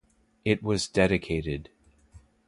It was dedicated.